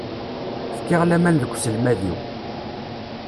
Fkiɣ laman deg uselmad-iw.